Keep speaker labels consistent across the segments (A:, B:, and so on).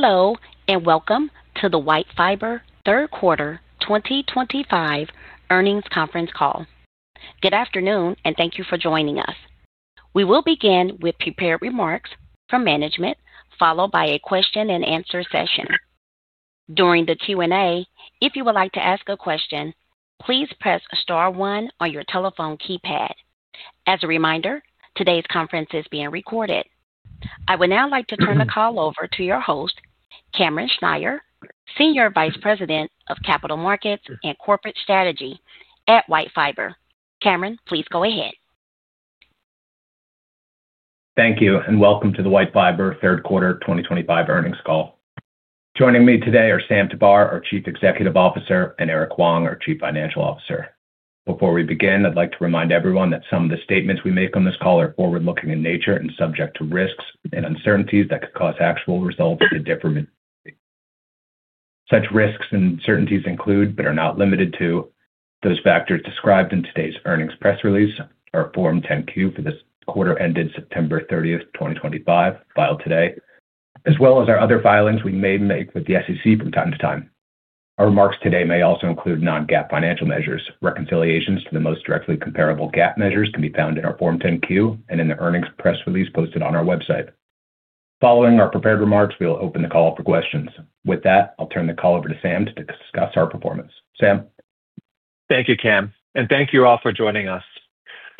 A: Hello, and welcome to the WhiteFiber third quarter 2025 earnings conference call. Good afternoon, and thank you for joining us. We will begin with prepared remarks from management, followed by a question-and-answer session. During the Q&A, if you would like to ask a question, please press star one on your telephone keypad. As a reminder, today's conference is being recorded. I would now like to turn the call over to your host, Cameron Schnier, Senior Vice President of Capital Markets and Corporate Strategy at WhiteFiber. Cameron, please go ahead.
B: Thank you, and welcome to the WhiteFiber third quarter 2025 earnings call. Joining me today are Sam Tabar, our Chief Executive Officer, and Erke Huang, our Chief Financial Officer. Before we begin, I'd like to remind everyone that some of the statements we make on this call are forward-looking in nature and subject to risks and uncertainties that could cause actual results to differ. Such risks and uncertainties include, but are not limited to, those factors described in today's earnings press release, our Form 10-Q for this quarter ended September 30, 2025, filed today, as well as our other filings we may make with the SEC from time to time. Our remarks today may also include Non-GAAP financial measures. Reconciliations to the most directly comparable GAAP measures can be found in our Form 10-Q and in the earnings press release posted on our website. Following our prepared remarks, we will open the call for questions. With that, I'll turn the call over to Sam to discuss our performance. Sam.
C: Thank you, Cam, and thank you all for joining us.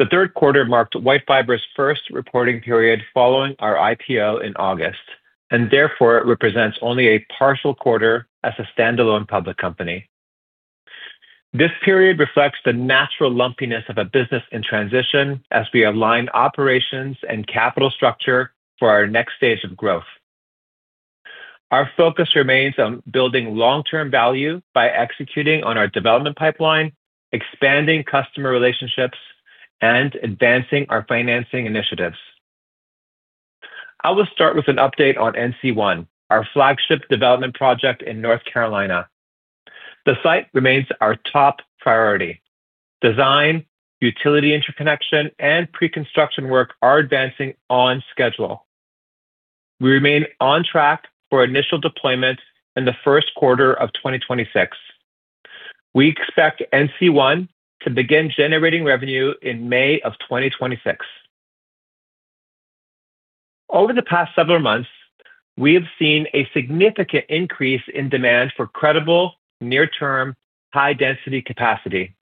C: The third quarter marked WhiteFiber's first reporting period following our IPO in August, and therefore it represents only a partial quarter as a standalone public company. This period reflects the natural lumpiness of a business in transition as we align operations and capital structure for our next stage of growth. Our focus remains on building long-term value by executing on our development pipeline, expanding customer relationships, and advancing our financing initiatives. I will start with an update on NC1, our flagship development project in North Carolina. The site remains our top priority. Design, utility interconnection, and pre-construction work are advancing on schedule. We remain on track for initial deployment in the first quarter of 2026. We expect NC1 to begin generating revenue in May of 2026. Over the past several months, we have seen a significant increase in demand for credible, near-term, high-density capacity.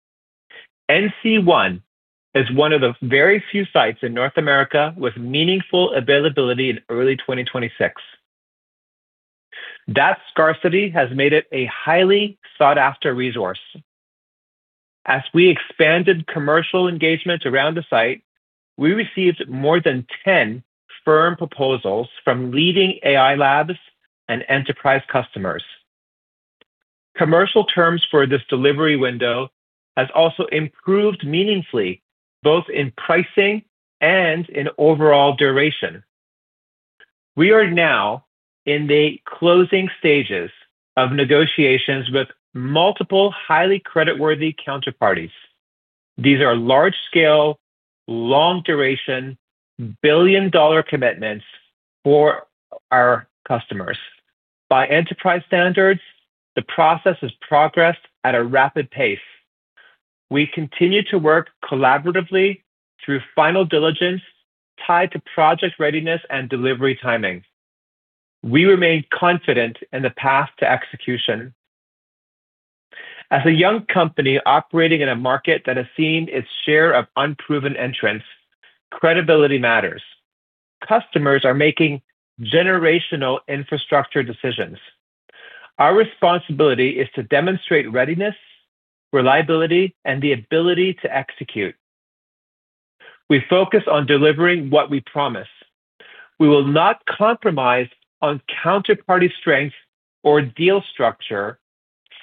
C: NC1 is one of the very few sites in North America with meaningful availability in early 2026. That scarcity has made it a highly sought-after resource. As we expanded commercial engagements around the site, we received more than 10 firm proposals from leading AI labs and enterprise customers. Commercial terms for this delivery window have also improved meaningfully both in pricing and in overall duration. We are now in the closing stages of negotiations with multiple highly creditworthy counterparties. These are large-scale, long-duration, billion-dollar commitments for our customers. By enterprise standards, the process has progressed at a rapid pace. We continue to work collaboratively through final diligence tied to project readiness and delivery timing. We remain confident in the path to execution. As a young company operating in a market that has seen its share of unproven entrants, credibility matters. Customers are making generational infrastructure decisions. Our responsibility is to demonstrate readiness, reliability, and the ability to execute. We focus on delivering what we promise. We will not compromise on counterparty strength or deal structure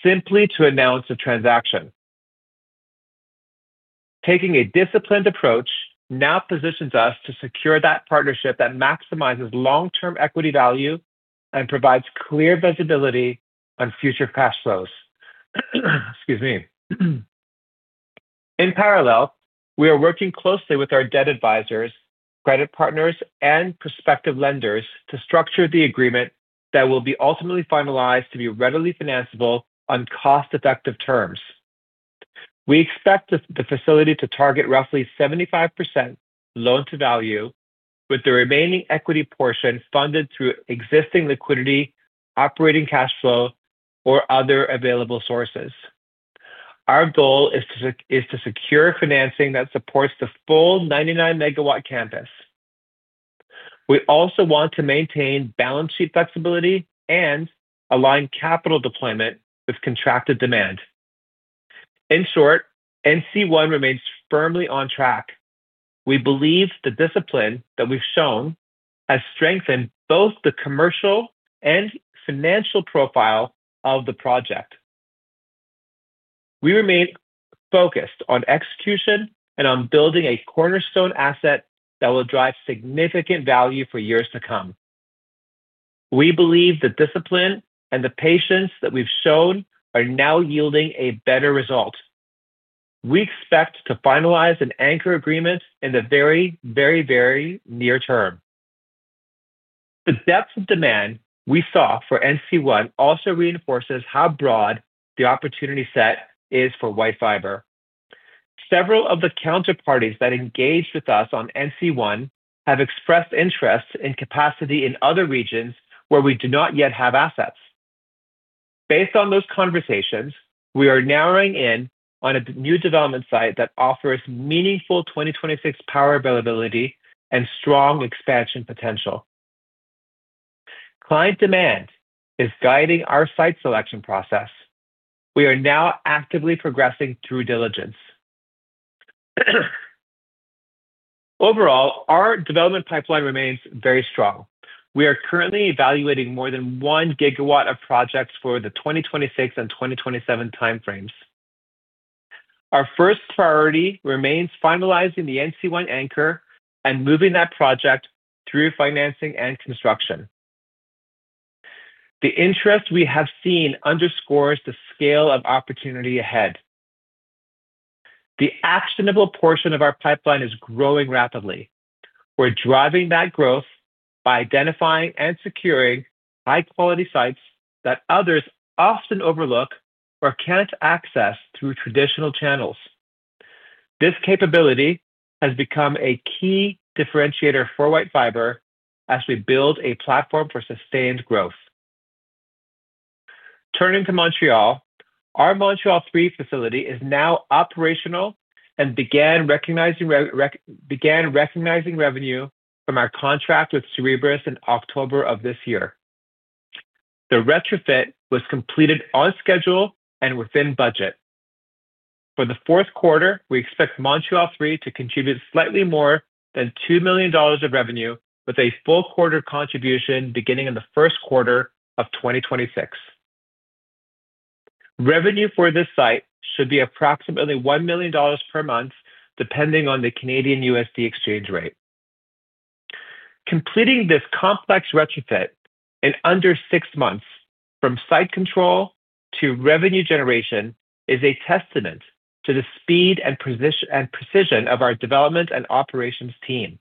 C: simply to announce a transaction. Taking a disciplined approach now positions us to secure that partnership that maximizes long-term equity value and provides clear visibility on future cash flows. Excuse me. In parallel, we are working closely with our debt advisors, credit partners, and prospective lenders to structure the agreement that will be ultimately finalized to be readily financeable on cost-effective terms. We expect the facility to target roughly 75% loan-to-value, with the remaining equity portion funded through existing liquidity, operating cash flow, or other available sources. Our goal is to secure financing that supports the full 99-megawatt campus. We also want to maintain balance sheet flexibility and align capital deployment with contracted demand. In short, NC1 remains firmly on track. We believe the discipline that we've shown has strengthened both the commercial and financial profile of the project. We remain focused on execution and on building a cornerstone asset that will drive significant value for years to come. We believe the discipline and the patience that we've shown are now yielding a better result. We expect to finalize and anchor agreements in the very, very, very near term. The depth of demand we saw for NC1 also reinforces how broad the opportunity set is for WhiteFiber. Several of the counterparties that engaged with us on NC1 have expressed interest in capacity in other regions where we do not yet have assets. Based on those conversations, we are narrowing in on a new development site that offers meaningful 2026 power availability and strong expansion potential. Client demand is guiding our site selection process. We are now actively progressing through diligence. Overall, our development pipeline remains very strong. We are currently evaluating more than 1 gigawatt of projects for the 2026 and 2027 time frames. Our first priority remains finalizing the NC1 anchor and moving that project through financing and construction. The interest we have seen underscores the scale of opportunity ahead. The actionable portion of our pipeline is growing rapidly. We're driving that growth by identifying and securing high-quality sites that others often overlook or can't access through traditional channels. This capability has become a key differentiator for WhiteFiber as we build a platform for sustained growth. Turning to Montreal, our Montreal 3 facility is now operational and began recognizing revenue from our contract with Cerebras in October of this year. The retrofit was completed on schedule and within budget. For the fourth quarter, we expect Montreal 3 to contribute slightly more than $2 million of revenue, with a full quarter contribution beginning in the first quarter of 2026. Revenue for this site should be approximately $1 million per month, depending on the Canadian USD exchange rate. Completing this complex retrofit in under six months, from site control to revenue generation, is a testament to the speed and precision of our development and operations team.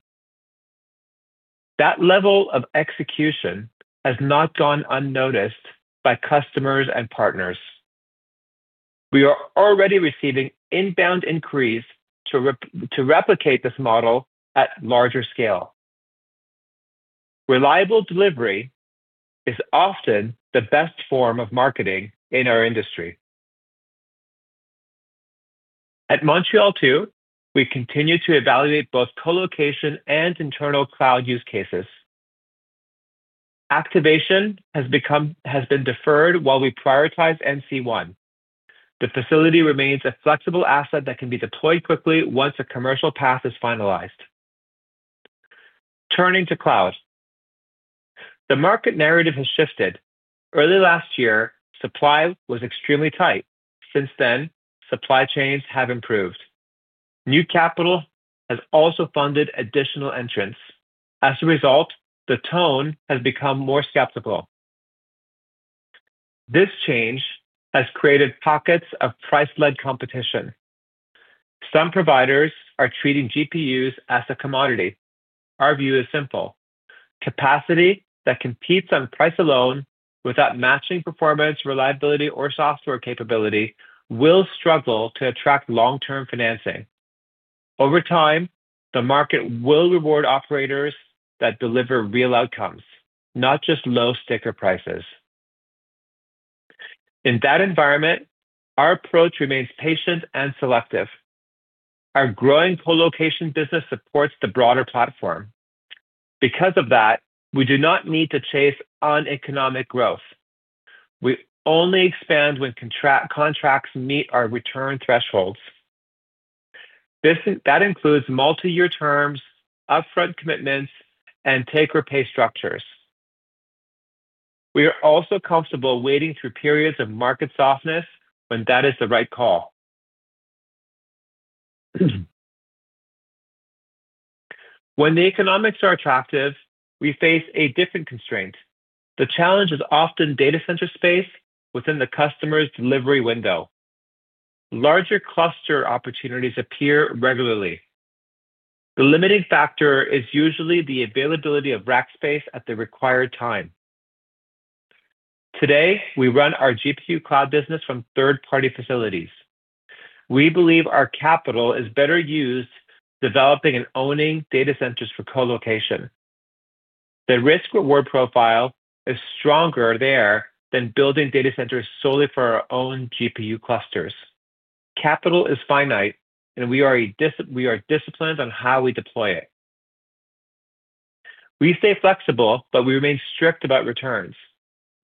C: That level of execution has not gone unnoticed by customers and partners. We are already receiving inbound inquiries to replicate this model at larger scale. Reliable delivery is often the best form of marketing in our industry. At Montreal 2, we continue to evaluate both colocation and internal cloud use cases. Activation has been deferred while we prioritize NC1. The facility remains a flexible asset that can be deployed quickly once a commercial path is finalized. Returning to cloud, the market narrative has shifted. Early last year, supply was extremely tight. Since then, supply chains have improved. New capital has also funded additional entrants. As a result, the tone has become more skeptical. This change has created pockets of price-led competition. Some providers are treating GPUs as a commodity. Our view is simple: capacity that competes on price alone without matching performance, reliability, or software capability will struggle to attract long-term financing. Over time, the market will reward operators that deliver real outcomes, not just low sticker prices. In that environment, our approach remains patient and selective. Our growing colocation business supports the broader platform. Because of that, we do not need to chase uneconomic growth. We only expand when contracts meet our return thresholds. That includes multi-year terms, upfront commitments, and take-or-pay structures. We are also comfortable waiting through periods of market softness when that is the right call. When the economics are attractive, we face a different constraint. The challenge is often data center space within the customer's delivery window. Larger cluster opportunities appear regularly. The limiting factor is usually the availability of rack space at the required time. Today, we run our GPU cloud business from third-party facilities. We believe our capital is better used developing and owning data centers for colocation. The risk-reward profile is stronger there than building data centers solely for our own GPU clusters. Capital is finite, and we are disciplined on how we deploy it. We stay flexible, but we remain strict about returns.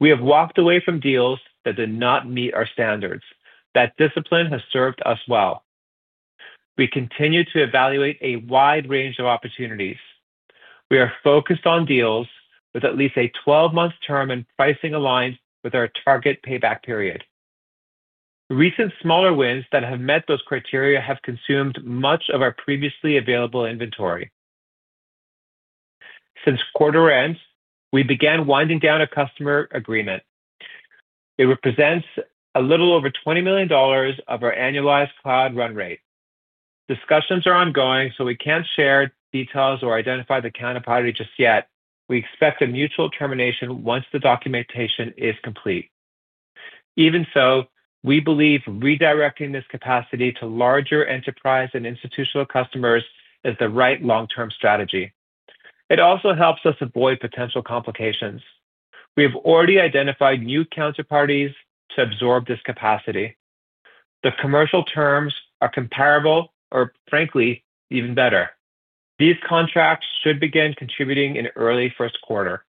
C: We have walked away from deals that did not meet our standards. That discipline has served us well. We continue to evaluate a wide range of opportunities. We are focused on deals with at least a 12-month term and pricing aligned with our target payback period. Recent smaller wins that have met those criteria have consumed much of our previously available inventory. Since quarter end, we began winding down a customer agreement. It represents a little over $20 million of our annualized cloud run rate. Discussions are ongoing, so we can't share details or identify the counterparty just yet. We expect a mutual termination once the documentation is complete. Even so, we believe redirecting this capacity to larger enterprise and institutional customers is the right long-term strategy. It also helps us avoid potential complications. We have already identified new counterparties to absorb this capacity. The commercial terms are comparable or, frankly, even better. These contracts should begin contributing in early first quarter.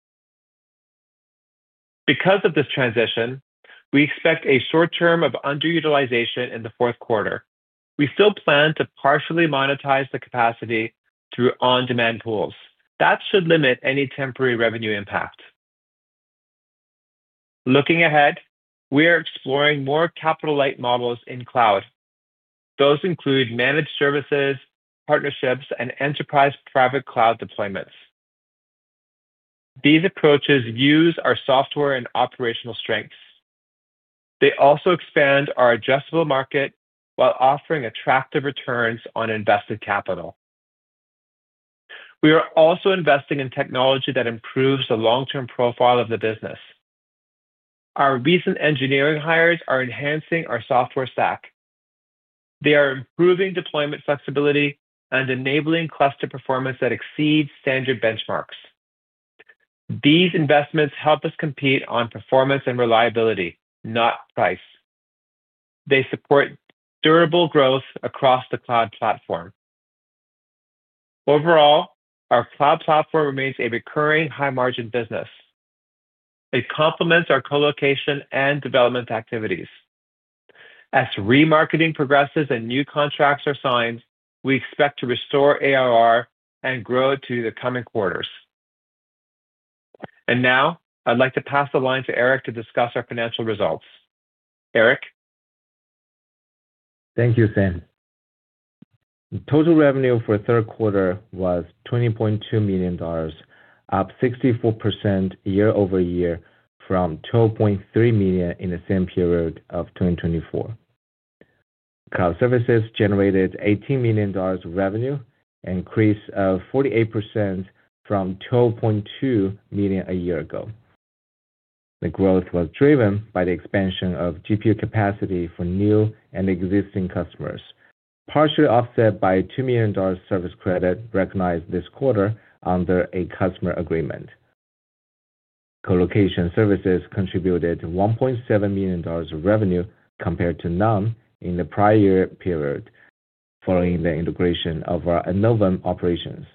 C: Because of this transition, we expect a short term of underutilization in the fourth quarter. We still plan to partially monetize the capacity through on-demand pools. That should limit any temporary revenue impact. Looking ahead, we are exploring more capital-light models in cloud. Those include managed services, partnerships, and enterprise private cloud deployments. These approaches use our software and operational strengths. They also expand our adjustable market while offering attractive returns on invested capital. We are also investing in technology that improves the long-term profile of the business. Our recent engineering hires are enhancing our software stack. They are improving deployment flexibility and enabling cluster performance that exceeds standard benchmarks. These investments help us compete on performance and reliability, not price. They support durable growth across the cloud platform. Overall, our cloud platform remains a recurring high-margin business. It complements our colocation and development activities. As remarketing progresses and new contracts are signed, we expect to restore ARR and grow to the coming quarters. I would like to pass the line to Erke to discuss our financial results. Erke?
D: Thank you, Sam. Total revenue for the third quarter was $20.2 million, up 64% year-over-year from $12.3 million in the same period of 2024. Cloud services generated $18 million of revenue, an increase of 48% from $12.2 million a year ago. The growth was driven by the expansion of GPU capacity for new and existing customers, partially offset by a $2 million service credit recognized this quarter under a customer agreement. Colocation services contributed $1.7 million of revenue compared to none in the prior year period following the integration of our Innovum operations.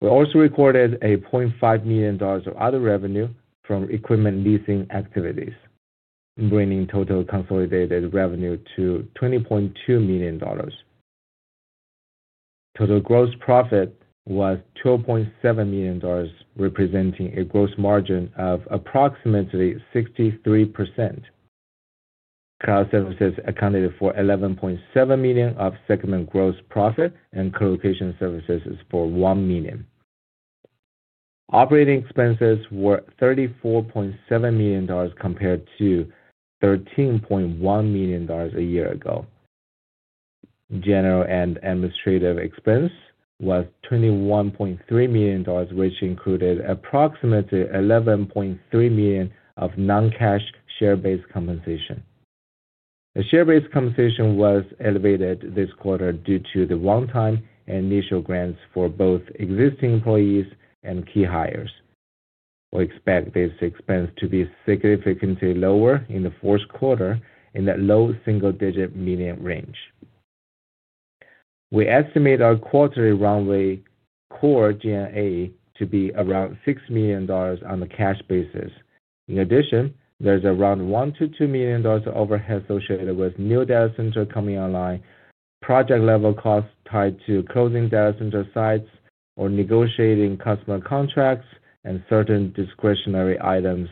D: We also recorded $500,000 of other revenue from equipment leasing activities, bringing total consolidated revenue to $20.2 million. Total gross profit was $12.7 million, representing a gross margin of approximately 63%. Cloud services accounted for $11.7 million of segment gross profit, and colocation services for $1 million. Operating expenses were $34.7 million compared to $13.1 million a year ago. General and administrative expense was $21.3 million, which included approximately $11.3 million of non-cash share-based compensation. The share-based compensation was elevated this quarter due to the runtime and initial grants for both existing employees and key hires. We expect this expense to be significantly lower in the fourth quarter in that low single-digit median range. We estimate our quarterly runway core G&A to be around $6 million on a cash basis. In addition, there's around $1 million-$2 million overhead associated with new data centers coming online, project-level costs tied to closing data center sites or negotiating customer contracts, and certain discretionary items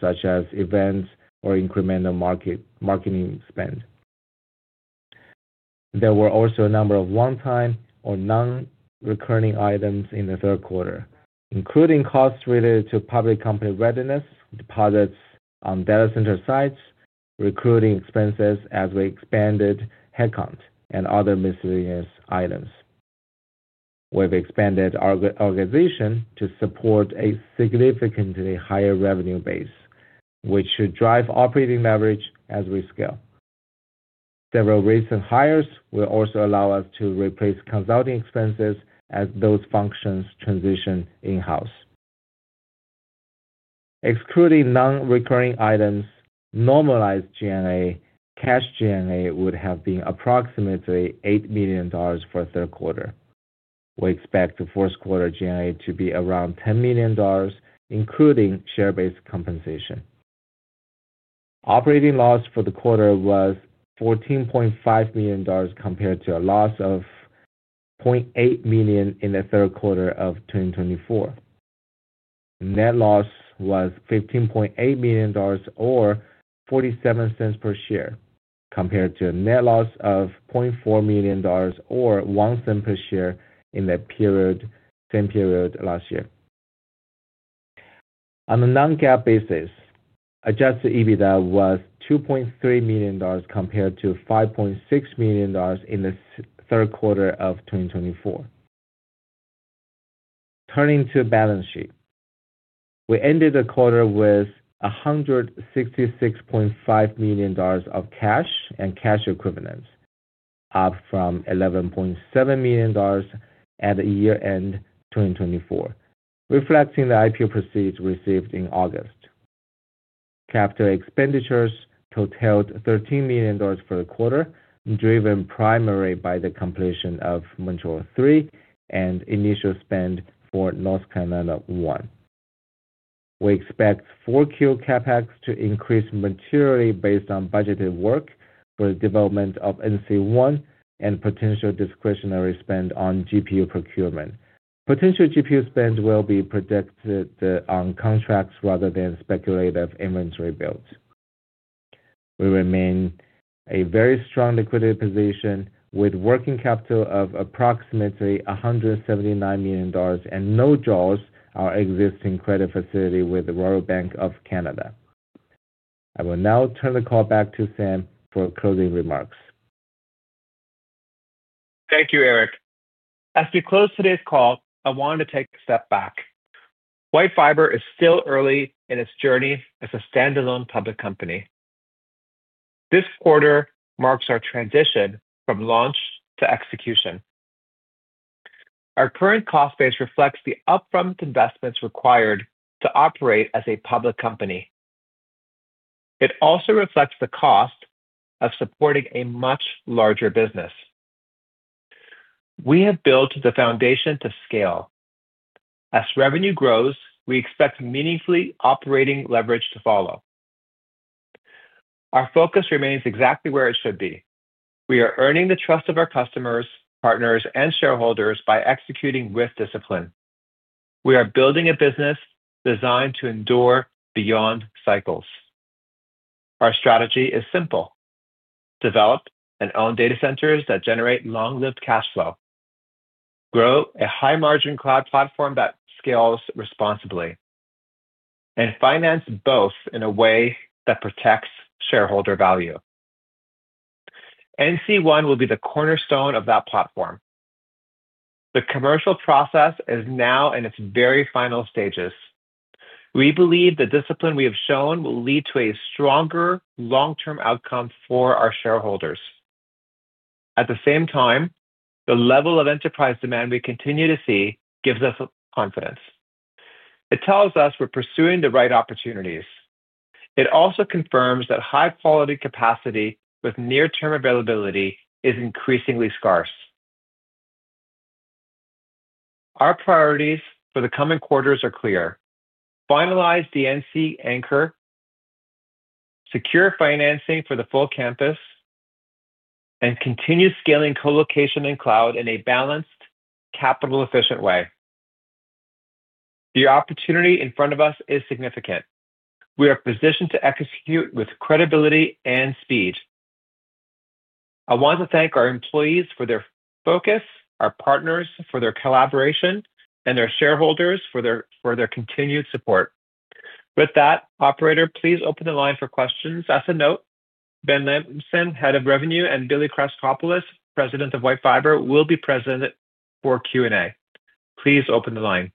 D: such as events or incremental marketing spend. There were also a number of one-time or non-recurring items in the third quarter, including costs related to public company readiness, deposits on data center sites, recruiting expenses as we expanded headcount, and other miscellaneous items. We've expanded our organization to support a significantly higher revenue base, which should drive operating leverage as we scale. Several recent hires will also allow us to replace consulting expenses as those functions transition in-house. Excluding non-recurring items, normalized G&A, cash G&A would have been approximately $8 million for the third quarter. We expect the fourth quarter G&A to be around $10 million, including share-based compensation. Operating loss for the quarter was $14.5 million compared to a loss of $0.8 million in the third quarter of 2024. Net loss was $15.8 million or $0.47 per share compared to a net loss of $0.4 million or $0.01 per share in the same period last year. On a Non-GAAP basis, Adjusted EBITDA was $2.3 million compared to $5.6 million in the third quarter of 2024. Turning to balance sheet, we ended the quarter with $166.5 million of cash and cash equivalents, up from $11.7 million at the year-end 2024, reflecting the IPO proceeds received in August. Capital expenditures totaled $13 million for the quarter, driven primarily by the completion of Montreal 3 and initial spend for North Carolina 1. We expect Q4 CapEx to increase materially based on budgeted work for the development of NC1 and potential discretionary spend on GPU procurement. Potential GPU spend will be projected on contracts rather than speculative inventory builds. We remain in a very strong liquidity position with working capital of approximately $179 million and no jaws our existing credit facility with the Royal Bank of Canada. I will now turn the call back to Sam for closing remarks.
C: Thank you, Erke. As we close today's call, I wanted to take a step back. WhiteFiber is still early in its journey as a standalone public company. This quarter marks our transition from launch to execution. Our current cost base reflects the upfront investments required to operate as a public company. It also reflects the cost of supporting a much larger business. We have built the foundation to scale. As revenue grows, we expect meaningfully operating leverage to follow. Our focus remains exactly where it should be. We are earning the trust of our customers, partners, and shareholders by executing with discipline. We are building a business designed to endure beyond cycles. Our strategy is simple: develop and own data centers that generate long-lived cash flow, grow a high-margin cloud platform that scales responsibly, and finance both in a way that protects shareholder value. NC1 will be the cornerstone of that platform. The commercial process is now in its very final stages. We believe the discipline we have shown will lead to a stronger long-term outcome for our shareholders. At the same time, the level of enterprise demand we continue to see gives us confidence. It tells us we're pursuing the right opportunities. It also confirms that high-quality capacity with near-term availability is increasingly scarce. Our priorities for the coming quarters are clear: finalize the NC anchor, secure financing for the full campus, and continue scaling colocation and cloud in a balanced, capital-efficient way. The opportunity in front of us is significant. We are positioned to execute with credibility and speed. I want to thank our employees for their focus, our partners for their collaboration, and our shareholders for their continued support. With that, operator, please open the line for questions. As a note, Ben Lamson, Head of Revenue, and Billy Krassakopoulos, President of WhiteFiber, will be present for Q&A. Please open the line.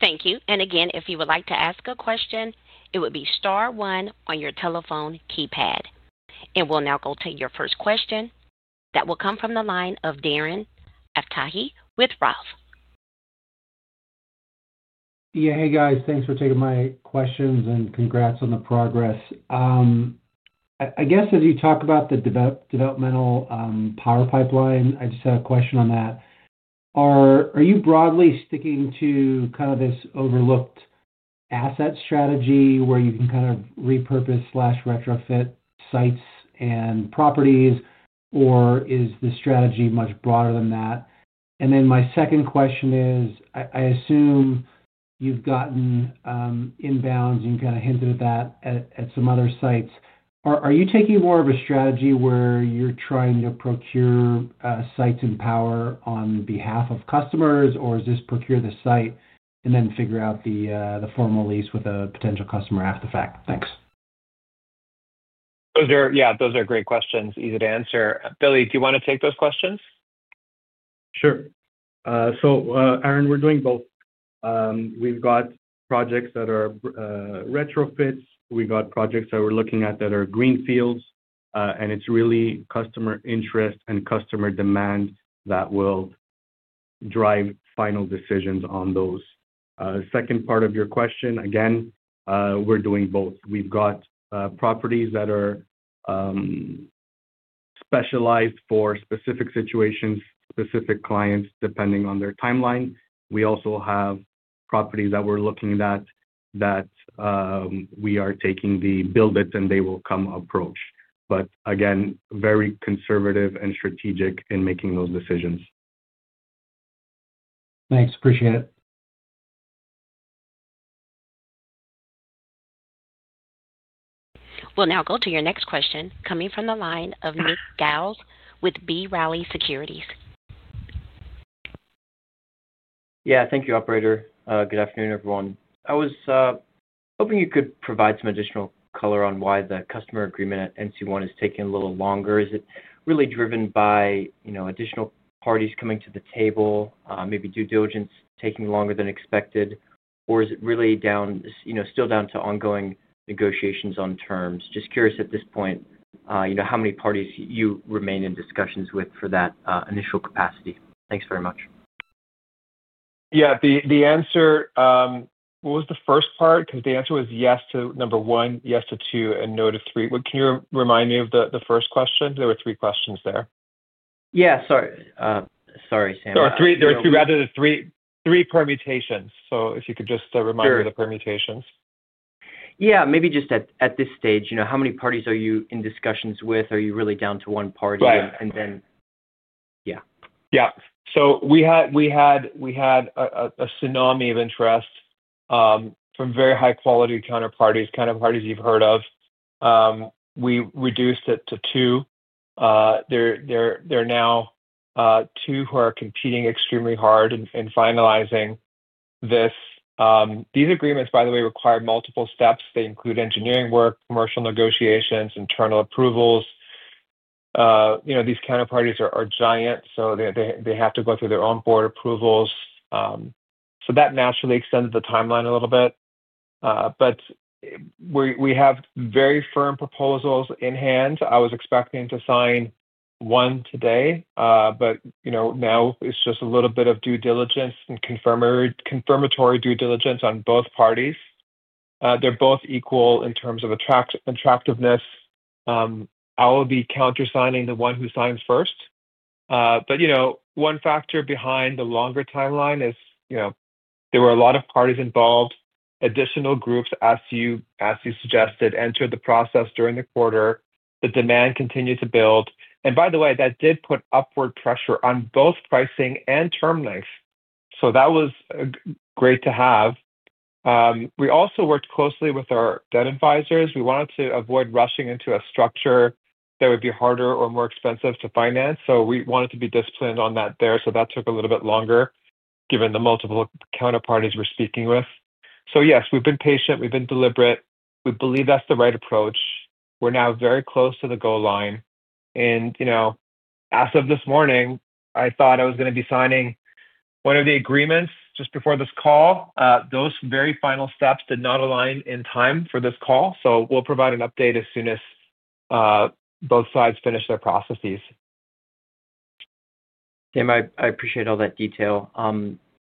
A: Thank you. If you would like to ask a question, it would be star one on your telephone keypad. We will now go to your first question that will come from the line of Darren Aftahi with ROTH.
E: Yeah, hey, guys. Thanks for taking my questions and congrats on the progress. I guess as you talk about the developmental power pipeline, I just had a question on that. Are you broadly sticking to kind of this overlooked asset strategy where you can kind of repurpose/retrofit sites and properties, or is the strategy much broader than that? My second question is, I assume you've gotten inbounds, and you kind of hinted at that at some other sites. Are you taking more of a strategy where you're trying to procure sites and power on behalf of customers, or is this procure the site and then figure out the formal lease with a potential customer after the fact? Thanks.
C: Yeah, those are great questions, easy to answer. Billy, do you want to take those questions?
F: Sure. So, Aaron, we're doing both. We've got projects that are retrofits. We've got projects that we're looking at that are greenfields, and it's really customer interest and customer demand that will drive final decisions on those. Second part of your question, again, we're doing both. We've got properties that are specialized for specific situations, specific clients depending on their timeline. We also have properties that we're looking at that we are taking the build-it-and-they-will-come approach. Again, very conservative and strategic in making those decisions.
E: Thanks. Appreciate it.
A: We'll now go to your next question coming from the line of Nick Giles with B. Riley Securities.
G: Yeah, thank you, operator. Good afternoon, everyone. I was hoping you could provide some additional color on why the customer agreement at NC1 is taking a little longer. Is it really driven by additional parties coming to the table, maybe due diligence taking longer than expected, or is it really still down to ongoing negotiations on terms? Just curious at this point how many parties you remain in discussions with for that initial capacity. Thanks very much.
C: Yeah, the answer what was the first part? Because the answer was yes to number one, yes to two, and no to three. Can you remind me of the first question? There were three questions there.
G: Yeah, sorry. Sorry, Sam.
C: There were three rather than three permutations. If you could just remind me of the permutations.
G: Maybe just at this stage, how many parties are you in discussions with? Are you really down to one party? Yeah.
C: Yeah. We had a tsunami of interest from very high-quality counterparties, counterparties you've heard of. We reduced it to two. There are now two who are competing extremely hard and finalizing this. These agreements, by the way, require multiple steps. They include engineering work, commercial negotiations, internal approvals. These counterparties are giant, so they have to go through their own board approvals. That naturally extended the timeline a little bit. We have very firm proposals in hand. I was expecting to sign one today, but now it's just a little bit of due diligence and confirmatory due diligence on both parties. They're both equal in terms of attractiveness. I will be countersigning the one who signs first. One factor behind the longer timeline is there were a lot of parties involved. Additional groups, as you suggested, entered the process during the quarter. The demand continued to build. By the way, that did put upward pressure on both pricing and term length. That was great to have. We also worked closely with our debt advisors. We wanted to avoid rushing into a structure that would be harder or more expensive to finance. We wanted to be disciplined on that there. That took a little bit longer given the multiple counterparties we're speaking with. Yes, we've been patient. We've been deliberate. We believe that's the right approach. We're now very close to the goal line. As of this morning, I thought I was going to be signing one of the agreements just before this call. Those very final steps did not align in time for this call. We'll provide an update as soon as both sides finish their processes.
G: Sam, I appreciate all that detail.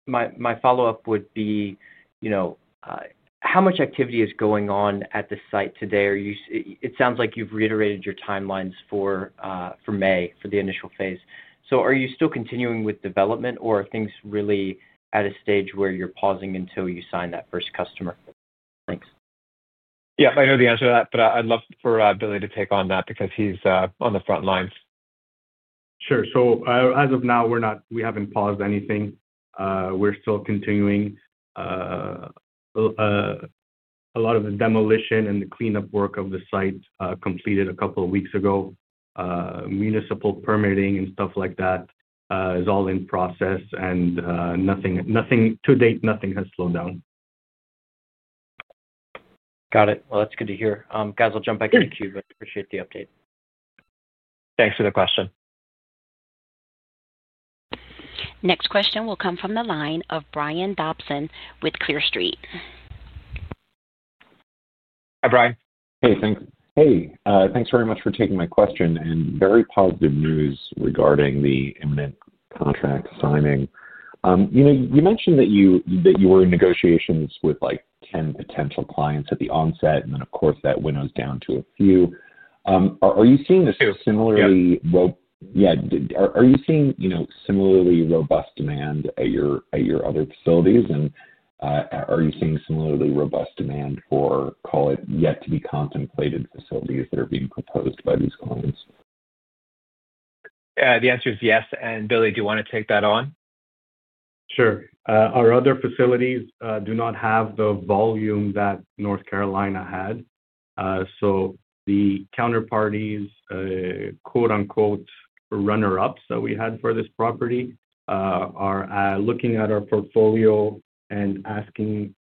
G: My follow-up would be how much activity is going on at the site today? It sounds like you've reiterated your timelines for May for the initial phase. Are you still continuing with development, or are things really at a stage where you're pausing until you sign that first customer? Thanks.
C: Yeah, I know the answer to that, but I'd love for Billy to take on that because he's on the front lines.
F: Sure. As of now, we haven't paused anything. We're still continuing. A lot of the demolition and the cleanup work of the site completed a couple of weeks ago. Municipal permitting and stuff like that is all in process. To date, nothing has slowed down.
G: Got it. That's good to hear. Guys, I'll jump back into the queue, but appreciate the update.
C: Thanks for the question.
A: Next question will come from the line of Brian Dobson with Clear Street.
C: Hi, Brian.
H: Hey, thanks. Hey, thanks very much for taking my question and very positive news regarding the imminent contract signing. You mentioned that you were in negotiations with 10 potential clients at the onset, and then, of course, that winnows down to a few. Are you seeing this similarly? Yeah. Are you seeing similarly robust demand at your other facilities? Are you seeing similarly robust demand for, call it, yet-to-be-contemplated facilities that are being proposed by these clients?
C: Yeah, the answer is yes. And Billy, do you want to take that on?
F: Sure. Our other facilities do not have the volume that North Carolina had. The counterparties, quote-unquote, "runner-ups" that we had for this property are looking at our portfolio and asking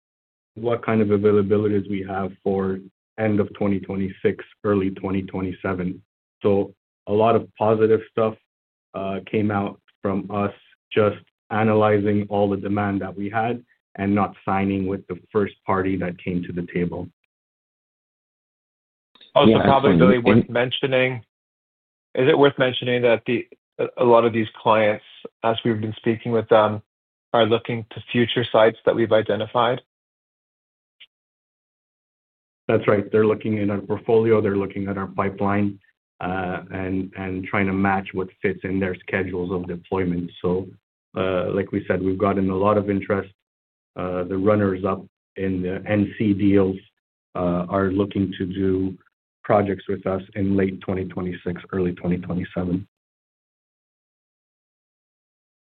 F: what kind of availabilities we have for end of 2026, early 2027. A lot of positive stuff came out from us just analyzing all the demand that we had and not signing with the first party that came to the table.
H: Also, probably worth mentioning, is it worth mentioning that a lot of these clients, as we've been speaking with them, are looking to future sites that we've identified?
F: That's right. They're looking at our portfolio. They're looking at our pipeline and trying to match what fits in their schedules of deployment. Like we said, we've gotten a lot of interest. The runners-up in the NC deals are looking to do projects with us in late 2026, early 2027.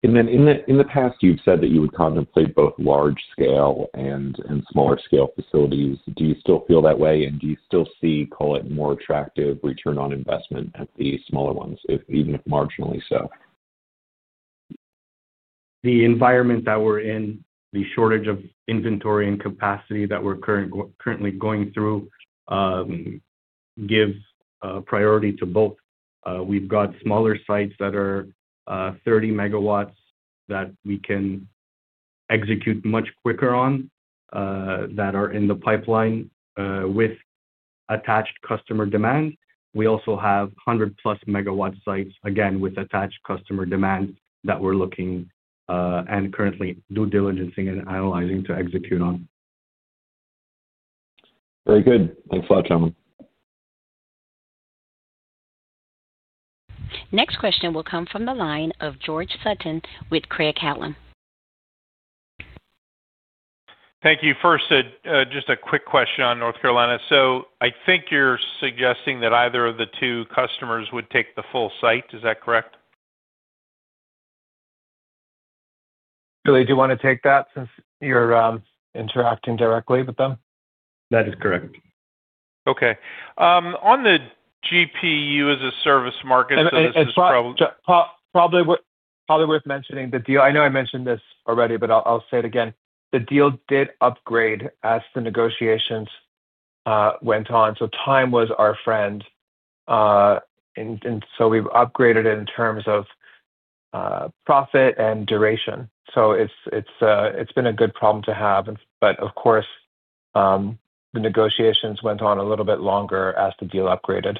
H: In the past, you've said that you would contemplate both large-scale and smaller-scale facilities. Do you still feel that way? Do you still see, call it, more attractive return on investment at the smaller ones, even if marginally so?
C: The environment that we are in, the shortage of inventory and capacity that we are currently going through, gives priority to both. We have got smaller sites that are 30 MW that we can execute much quicker on that are in the pipeline with attached customer demand. We also have 100+ megawatt sites, again, with attached customer demand that we are looking and currently due diligencing and analyzing to execute on.
H: Very good. Thanks a lot, gentlemen.
A: Next question will come from the line of George Sutton with Craig-Hallum.
I: Thank you. First, just a quick question on North Carolina. I think you are suggesting that either of the two customers would take the full site. Is that correct?
C: Billy, do you want to take that since you are interacting directly with them?
F: That is correct.
I: Okay. On the GPU as a service market,
C: this is probably worth mentioning. I know I mentioned this already, but I'll say it again. The deal did upgrade as the negotiations went on. Time was our friend. We upgraded it in terms of profit and duration. It's been a good problem to have. Of course, the negotiations went on a little bit longer as the deal upgraded.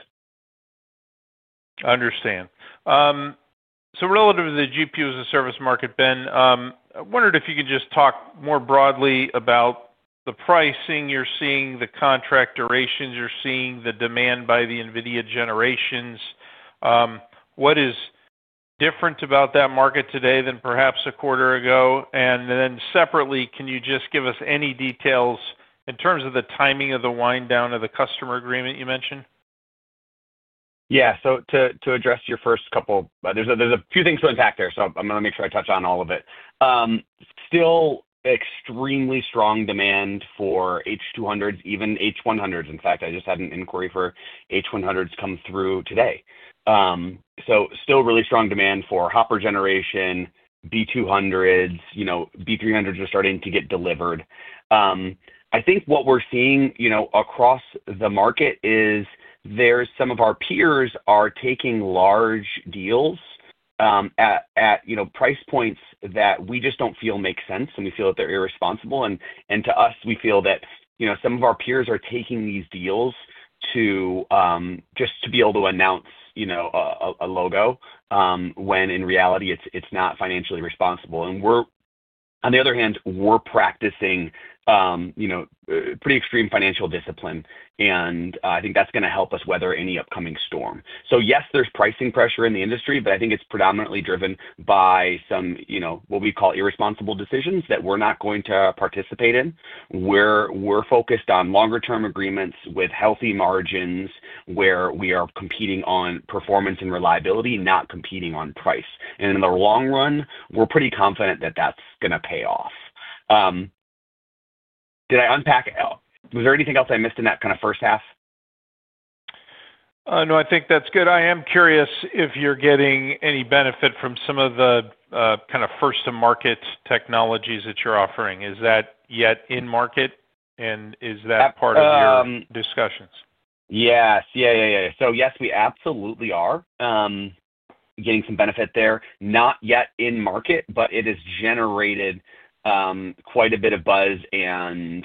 I: Understand. Relative to the GPU as a service market, Ben, I wondered if you could just talk more broadly about the pricing you're seeing, the contract durations you're seeing, the demand by the NVIDIA generations. What is different about that market today than perhaps a quarter ago? Separately, can you just give us any details in terms of the timing of the wind-down of the customer agreement you mentioned?
J: Yeah. To address your first couple, there is a few things to unpack there. I am going to make sure I touch on all of it. Still extremely strong demand for H200s, even H100s. In fact, I just had an inquiry for H100s come through today. Still really strong demand for Hopper generation, B200s. B300s are starting to get delivered. I think what we are seeing across the market is some of our peers are taking large deals at price points that we just do not feel make sense, and we feel that they are irresponsible. To us, we feel that some of our peers are taking these deals just to be able to announce a logo when in reality, it is not financially responsible. On the other hand, we are practicing pretty extreme financial discipline. I think that is going to help us weather any upcoming storm. Yes, there's pricing pressure in the industry, but I think it's predominantly driven by some what we call irresponsible decisions that we're not going to participate in. We're focused on longer-term agreements with healthy margins where we are competing on performance and reliability, not competing on price. In the long run, we're pretty confident that that's going to pay off. Did I unpack? Was there anything else I missed in that kind of first half?
I: No, I think that's good. I am curious if you're getting any benefit from some of the kind of first-to-market technologies that you're offering. Is that yet in market? And is that part of your discussions?
J: Yes. Yeah, yeah, yeah. Yes, we absolutely are getting some benefit there. Not yet in market, but it has generated quite a bit of buzz and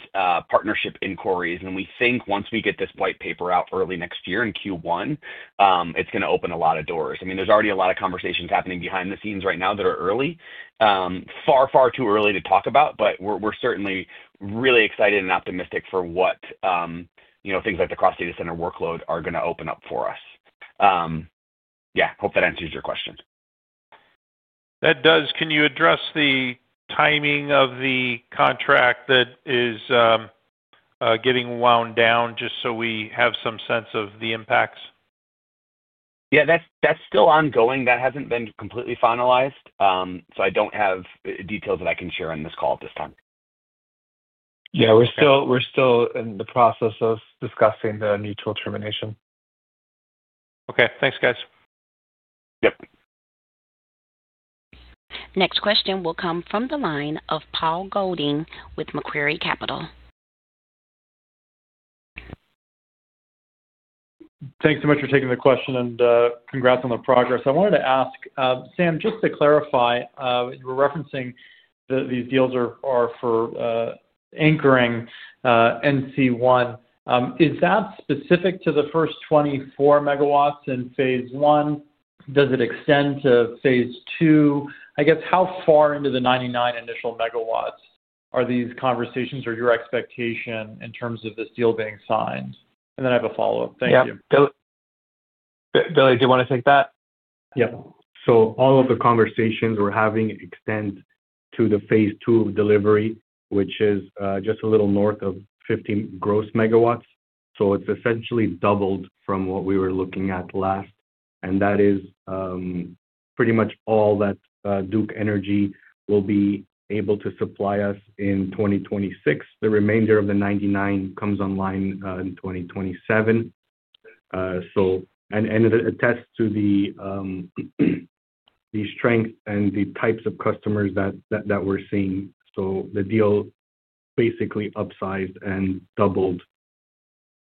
J: partnership inquiries. We think once we get this white paper out early next year in Q1, it's going to open a lot of doors. I mean, there's already a lot of conversations happening behind the scenes right now that are early. Far, far too early to talk about, but we're certainly really excited and optimistic for what things like the cross-data center workload are going to open up for us. Yeah. Hope that answers your question.
I: That does. Can you address the timing of the contract that is getting wound down just so we have some sense of the impacts?
J: Yeah, that's still ongoing. That hasn't been completely finalized. I don't have details that I can share on this call at this time.
C: Yeah, we're still in the process of discussing the mutual termination.
I: Okay. Thanks, guys.
C: Yep.
A: Next question will come from the line of Paul Golding with Macquarie Capital.
K: Thanks so much for taking the question and congrats on the progress. I wanted to ask, Sam, just to clarify, you were referencing that these deals are for anchoring NC1. Is that specific to the first 24 MW in phase I? Does it extend to phase II? I guess how far into the 99 initial megawatts are these conversations or your expectation in terms of this deal being signed? I have a follow-up. Thank you.
C: Billy, do you want to take that?
F: Yep. All of the conversations we're having extend to the phase II delivery, which is just a little north of 15 gross megawatts. It is essentially doubled from what we were looking at last. That is pretty much all that Duke Energy will be able to supply us in 2026. The remainder of the 99 comes online in 2027. It attests to the strength and the types of customers that we're seeing. The deal basically upsized and doubled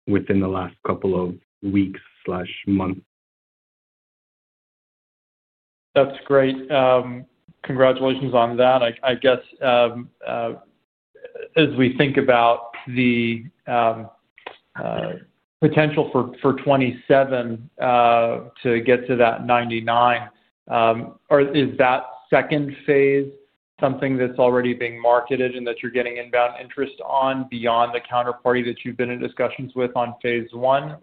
F: within the last couple of weeks/months.
K: That's great. Congratulations on that. I guess as we think about the potential for 2027 to get to that 99, is that second phase something that's already being marketed and that you're getting inbound interest on beyond the counterparty that you've been in discussions with on phase I?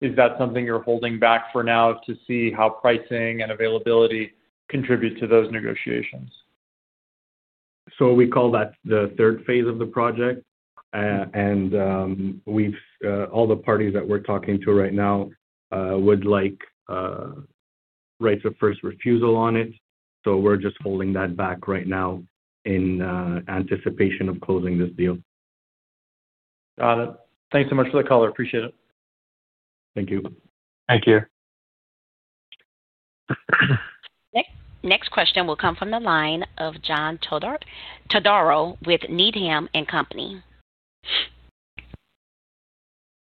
K: Is that something you're holding back for now to see how pricing and availability contribute to those negotiations?
F: We call that the third phase of the project. All the parties that we're talking to right now would like rights of first refusal on it. We're just holding that back right now in anticipation of closing this deal.
K: Got it. Thanks so much for the call. I appreciate it.
F: Thank you.
C: Thank you.
A: Next question will come from the line of John Todaro with Needham & Company.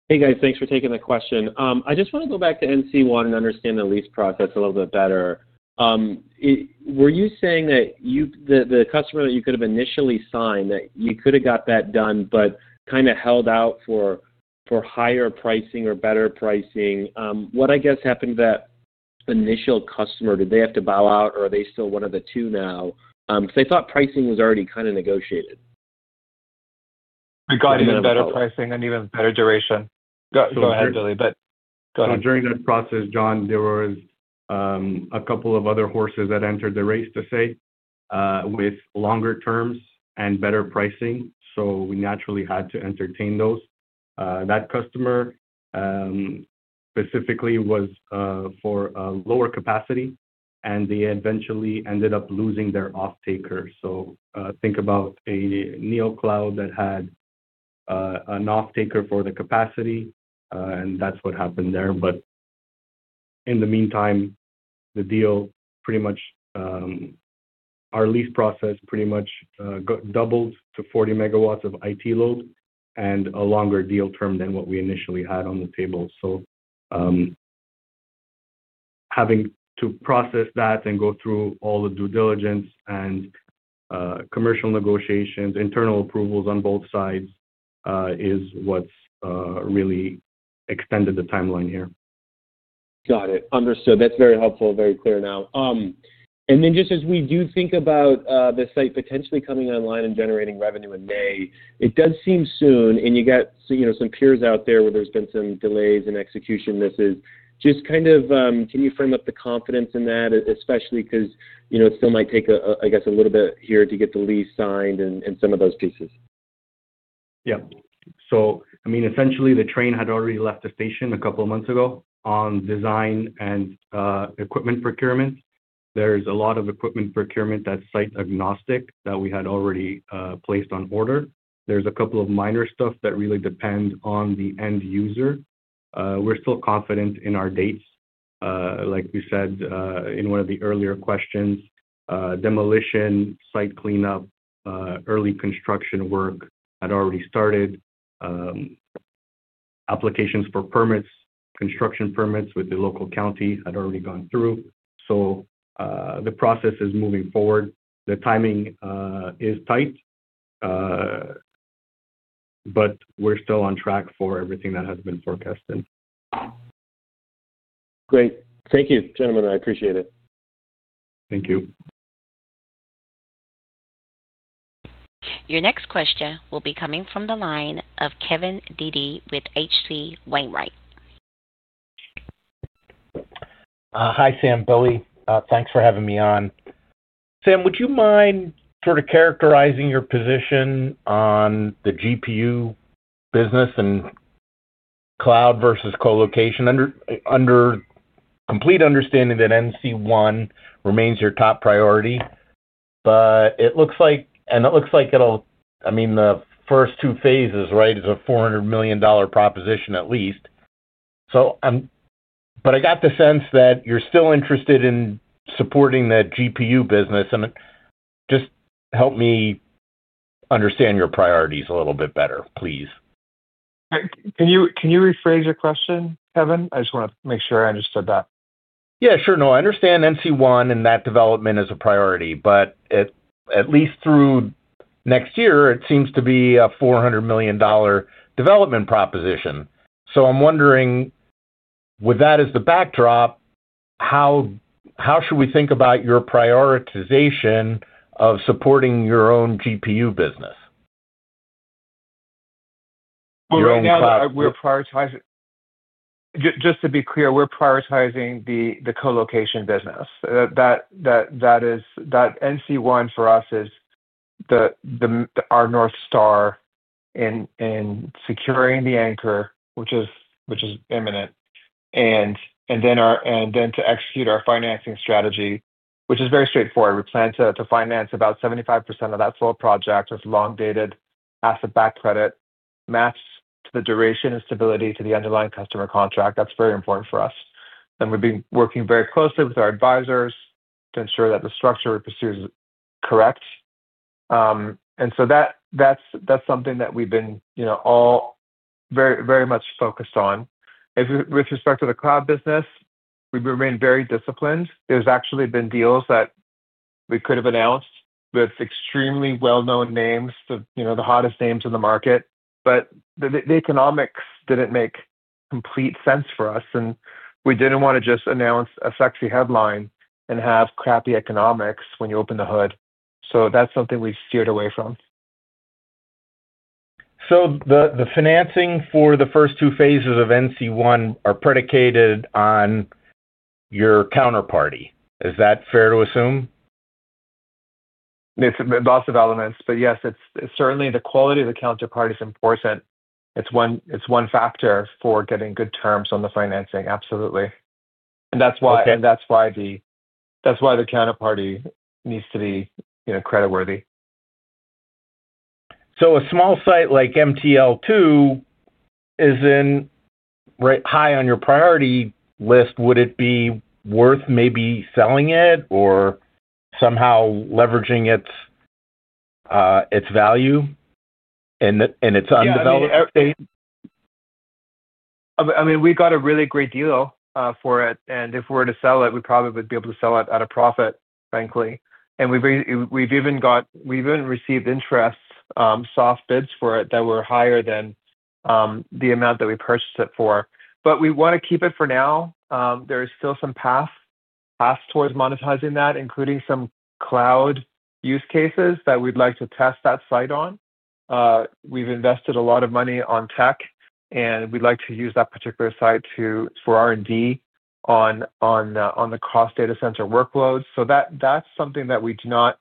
L: Hey, guys. Thanks for taking the question. I just want to go back to NC1 and understand the lease process a little bit better. Were you saying that the customer that you could have initially signed, that you could have got that done but kind of held out for higher pricing or better pricing? What I guess happened to that initial customer? Did they have to bow out, or are they still one of the two now? Because they thought pricing was already kind of negotiated.
F: It got even better pricing and even better duration.
C: Go ahead, Billy. Go ahead.
F: During that process, John, there were a couple of other horses that entered the race, to say, with longer terms and better pricing. We naturally had to entertain those. That customer specifically was for lower capacity, and they eventually ended up losing their off-taker. Think about a NeoCloud that had an off-taker for the capacity, and that's what happened there. In the meantime, the deal, pretty much our lease process, pretty much doubled to 40 MW of IT load and a longer deal term than what we initially had on the table. Having to process that and go through all the due diligence and commercial negotiations, internal approvals on both sides, is what's really extended the timeline here.
L: Got it. Understood. That's very helpful, very clear now. Just as we do think about the site potentially coming online and generating revenue in May, it does seem soon, and you got some peers out there where there's been some delays in execution. This is just kind of can you frame up the confidence in that, especially because it still might take, I guess, a little bit here to get the lease signed and some of those pieces?
C: Yeah. I mean, essentially, the train had already left the station a couple of months ago on design and equipment procurement. There's a lot of equipment procurement that's site-agnostic that we had already placed on order. There's a couple of minor stuff that really depend on the end user. We're still confident in our dates. Like we said in one of the earlier questions, demolition, site cleanup, early construction work had already started. Applications for permits, construction permits with the local county had already gone through. The process is moving forward. The timing is tight, but we're still on track for everything that has been forecasted.
L: Great. Thank you, gentlemen. I appreciate it.
C: Thank you.
A: Your next question will be coming from the line of Kevin Dede with H.C. Wainwright.
M: Hi, Sam. Billy, thanks for having me on. Sam, would you mind sort of characterizing your position on the GPU business and cloud versus colocation? Under complete understanding that NC1 remains your top priority, but it looks like and it looks like it'll, I mean, the first two phases, right, is a $400 million proposition at least. I got the sense that you're still interested in supporting the GPU business. Just help me understand your priorities a little bit better, please.
C: Can you rephrase your question, Kevin? I just want to make sure I understood that.
M: Yeah, sure. No, I understand NC1 and that development is a priority. At least through next year, it seems to be a $400 million development proposition. I'm wondering, with that as the backdrop, how should we think about your prioritization of supporting your own GPU business?
C: We're prioritizing, just to be clear, we're prioritizing the colocation business. That NC1 for us is our North Star in securing the anchor, which is imminent. Then to execute our financing strategy, which is very straightforward. We plan to finance about 75% of that full project with long-dated asset-backed credit matched to the duration and stability to the underlying customer contract. That's very important for us. We've been working very closely with our advisors to ensure that the structure we pursue is correct. That is something that we've been all very much focused on. With respect to the cloud business, we've remained very disciplined. There have actually been deals that we could have announced with extremely well-known names, the hottest names in the market. The economics did not make complete sense for us. We did not want to just announce a sexy headline and have crappy economics when you open the hood. That is something we've steered away from.
M: The financing for the first two phases of NC1 are predicated on your counterparty. Is that fair to assume?
C: It is lots of elements. Yes, certainly, the quality of the counterparty is important. It is one factor for getting good terms on the financing. Absolutely. That is why the counterparty needs to be creditworthy.
M: A small site like MTL2 is high on your priority list. Would it be worth maybe selling it or somehow leveraging its value and its undeveloped?
C: I mean, we got a really great deal for it. If we were to sell it, we probably would be able to sell it at a profit, frankly. We have even received interest, soft bids for it that were higher than the amount that we purchased it for. We want to keep it for now. There is still some path towards monetizing that, including some cloud use cases that we would like to test that site on. We have invested a lot of money on tech, and we would like to use that particular site for R&D on the cross-data center workloads. That is something that we do not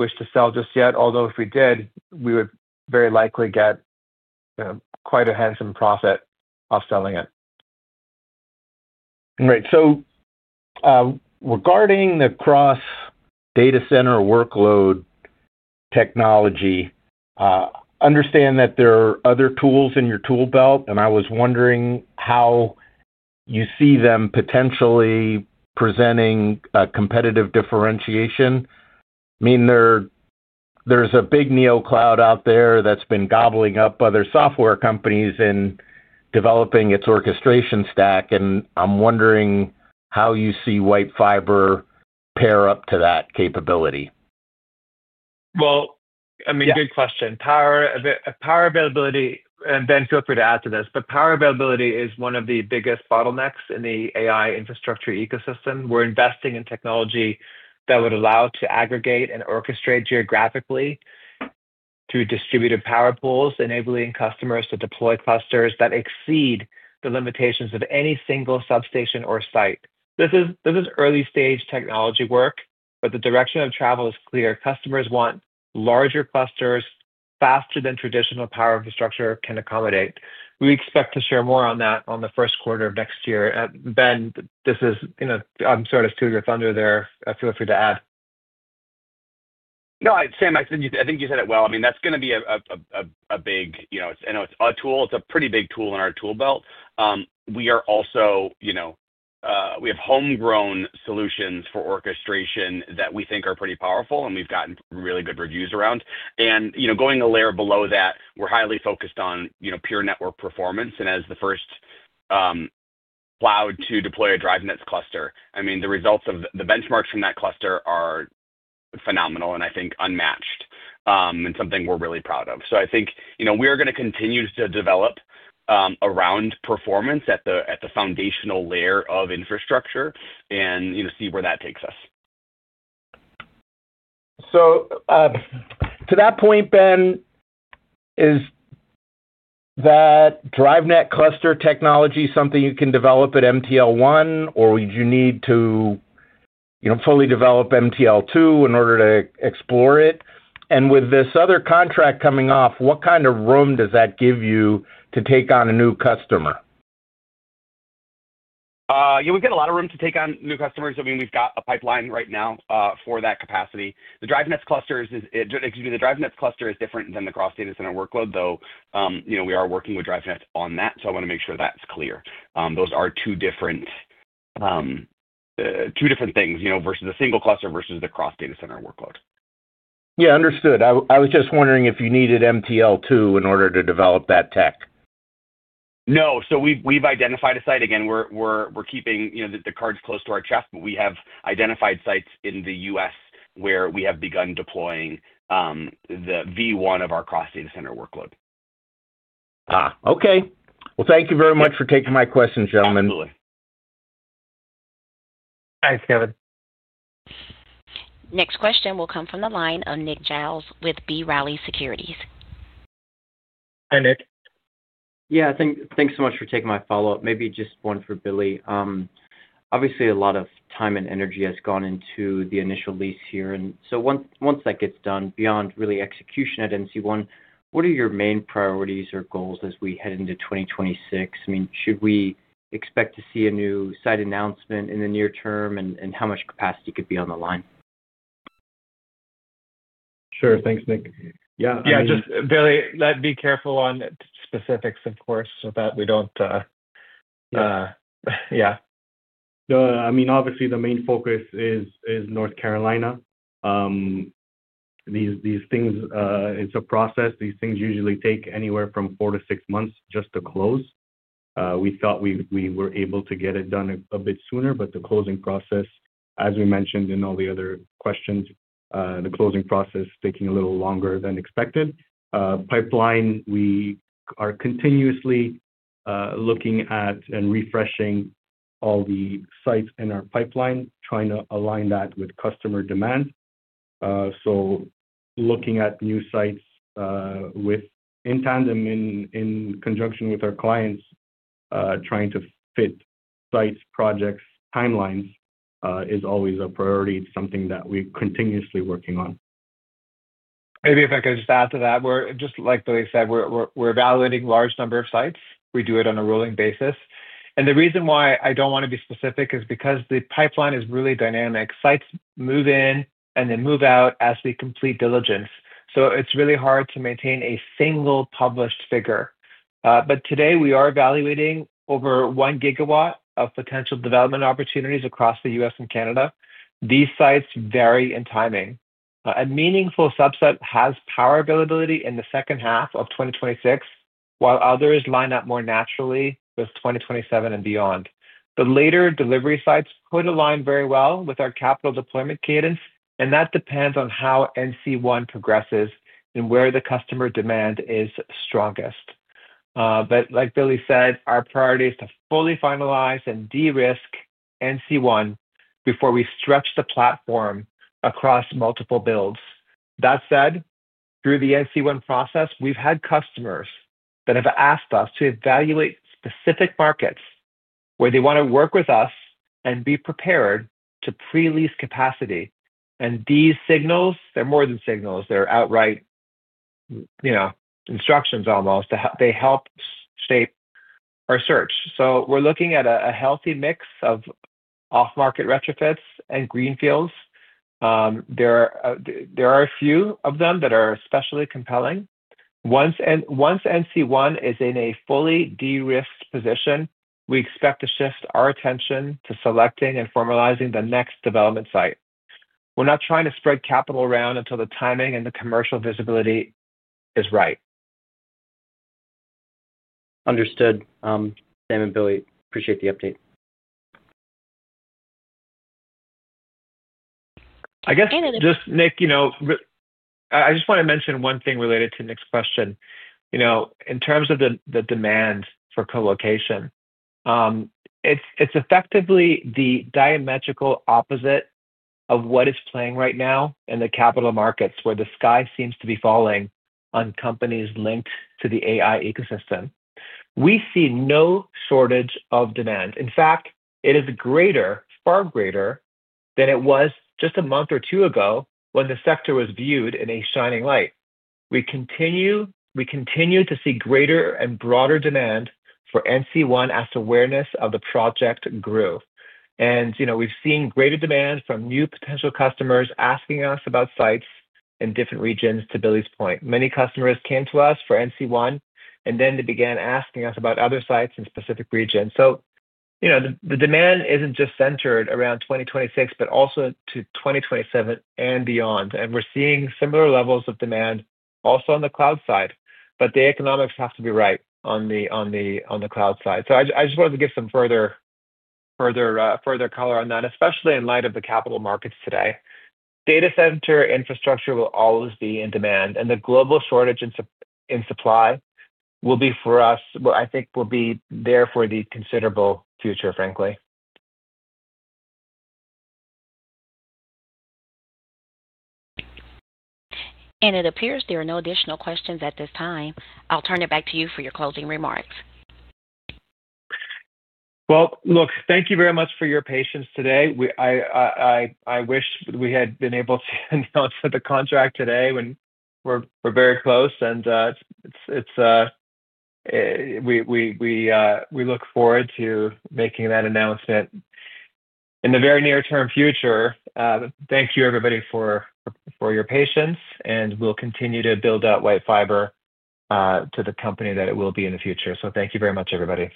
C: wish to sell just yet. Although if we did, we would very likely get quite a handsome profit off selling it.
M: Right. Regarding the cross-data center workload technology, understand that there are other tools in your toolbelt. I was wondering how you see them potentially presenting a competitive differentiation. I mean, there's a big NeoCloud out there that's been gobbling up other software companies in developing its orchestration stack. I'm wondering how you see WhiteFiber pair up to that capability.
C: Good question. Power availability, and then feel free to add to this. Power availability is one of the biggest bottlenecks in the AI infrastructure ecosystem. We're investing in technology that would allow us to aggregate and orchestrate geographically through distributed power pools, enabling customers to deploy clusters that exceed the limitations of any single substation or site. This is early-stage technology work, but the direction of travel is clear. Customers want larger clusters faster than traditional power infrastructure can accommodate. We expect to share more on that on the first quarter of next year. Ben, this is, I'm sort of to your thunder there. Feel free to add.
J: No, Sam, I think you said it well. I mean, that's going to be a big, I know it's a tool. It's a pretty big tool in our toolbelt. We are also, we have homegrown solutions for orchestration that we think are pretty powerful, and we've gotten really good reviews around. Going a layer below that, we're highly focused on pure network performance. As the first cloud to deploy a DriveNets cluster, the results of the benchmarks from that cluster are phenomenal and I think unmatched and something we're really proud of. I think we are going to continue to develop around performance at the foundational layer of infrastructure and see where that takes us.
M: To that point, Ben, is that DriveNets cluster technology something you can develop at MTL1, or would you need to fully develop MTL2 in order to explore it? With this other contract coming off, what kind of room does that give you to take on a new customer?
J: Yeah, we've got a lot of room to take on new customers. I mean, we've got a pipeline right now for that capacity. The DriveNets cluster is, excuse me, the DriveNets cluster is different than the cross-data center workload, though we are working with DriveNets on that. I want to make sure that's clear. Those are two different things versus a single cluster versus the cross-data center workload.
M: Yeah, understood. I was just wondering if you needed MTL2 in order to develop that tech.
J: No. We've identified a site. Again, we're keeping the cards close to our chest, but we have identified sites in the U.S. where we have begun deploying the V1 of our cross-data center workload.
M: Okay. Thank you very much for taking my questions, gentlemen.
J: Absolutely.
C: Thanks, Kevin.
A: Next question will come from the line of Nick Giles with B. Riley Securities.
C: Hi, Nick.
G: Yeah, thanks so much for taking my follow-up. Maybe just one for Billy. Obviously, a lot of time and energy has gone into the initial lease here. Once that gets done, beyond really execution at NC1, what are your main priorities or goals as we head into 2026? I mean, should we expect to see a new site announcement in the near term and how much capacity could be on the line?
C: Sure. Thanks, Nick. Yeah.
F: Yeah,
C: just Billy, be careful on specifics, of course, so that we do not—yeah.
F: No, I mean, obviously, the main focus is North Carolina. These things, it is a process. These things usually take anywhere from four to six months just to close. We thought we were able to get it done a bit sooner, but the closing process, as we mentioned in all the other questions, the closing process is taking a little longer than expected. Pipeline, we are continuously looking at and refreshing all the sites in our pipeline, trying to align that with customer demand. Looking at new sites in tandem, in conjunction with our clients, trying to fit sites, projects, timelines is always a priority. It is something that we are continuously working on.
C: Maybe if I could just add to that, just like Billy said, we are evaluating a large number of sites. We do it on a rolling basis. The reason why I don't want to be specific is because the pipeline is really dynamic. Sites move in and then move out as we complete diligence. It is really hard to maintain a single published figure. Today, we are evaluating over 1 gigawatt of potential development opportunities across the U.S. and Canada. These sites vary in timing. A meaningful subset has power availability in the second half of 2026, while others line up more naturally with 2027 and beyond. The later delivery sites could align very well with our capital deployment cadence, and that depends on how NC1 progresses and where the customer demand is strongest. Like Billy said, our priority is to fully finalize and de-risk NC1 before we stretch the platform across multiple builds. That said, through the NC1 process, we've had customers that have asked us to evaluate specific markets where they want to work with us and be prepared to pre-lease capacity. These signals, they're more than signals. They're outright instructions almost. They help shape our search. We're looking at a healthy mix of off-market retrofits and greenfields. There are a few of them that are especially compelling. Once NC1 is in a fully de-risked position, we expect to shift our attention to selecting and formalizing the next development site. We're not trying to spread capital around until the timing and the commercial visibility is right.
G: Understood. Sam and Billy, appreciate the update.
C: I guess just Nick, I just want to mention one thing related to Nick's question. In terms of the demand for colocation, it's effectively the diametric opposite of what is playing right now in the capital markets where the sky seems to be falling on companies linked to the AI ecosystem. We see no shortage of demand. In fact, it is greater, far greater than it was just a month or two ago when the sector was viewed in a shining light. We continue to see greater and broader demand for NC1 as awareness of the project grew. We have seen greater demand from new potential customers asking us about sites in different regions, to Billy's point. Many customers came to us for NC1, and then they began asking us about other sites in specific regions. The demand is not just centered around 2026, but also to 2027 and beyond. We are seeing similar levels of demand also on the cloud side. The economics have to be right on the cloud side. I just wanted to give some further color on that, especially in light of the capital markets today. Data center infrastructure will always be in demand. The global shortage in supply will be for us, I think, will be there for the considerable future, frankly.
A: It appears there are no additional questions at this time. I will turn it back to you for your closing remarks.
C: Thank you very much for your patience today. I wish we had been able to announce the contract today when we are very close. We look forward to making that announcement in the very near-term future. Thank you, everybody, for your patience. We will continue to build out WhiteFiber to the company that it will be in the future. Thank you very much, everybody.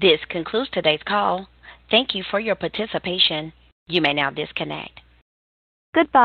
A: This concludes today's call. Thank you for your participation. You may now disconnect. Goodbye.